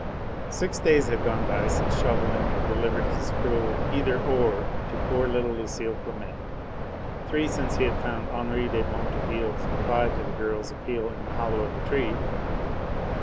V Six days had gone by since Chauvelin had delivered his cruel "either or" to poor little Lucile Clamette; three since he had found Henri de Montorgueil's reply to the girl's appeal in the hollow of the tree.